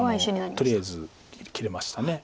とりあえず切れました。